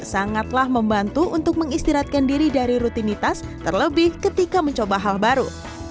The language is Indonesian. sangatlah membantu untuk mengistirahatkan diri dari rutinitas terlebih ketika mencoba hal baru